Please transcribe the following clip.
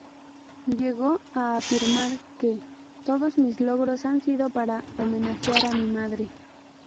Llegó a afirmar que ""todos mis logros, han sido para homenajear a mi madre"".